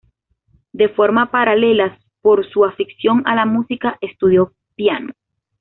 De forma paralela, por su afición a la música, estudió piano.